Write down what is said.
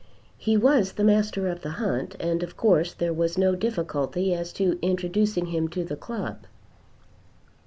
He was the master of the hunt, and of course there was no difficulty as to introducing him to the club.